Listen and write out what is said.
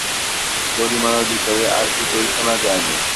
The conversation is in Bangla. জরিমানার বিষয়ে আর কিছুই শোনা যায়নি।